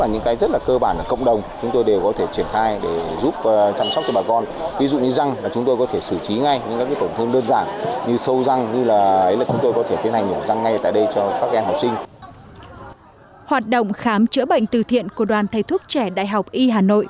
hoạt động khám chữa bệnh từ thiện của đoàn thầy thuốc trẻ đại học y hà nội